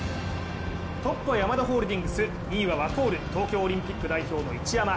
トップはヤマダホールディングス、２位はワコール東京オリンピック代表の一山。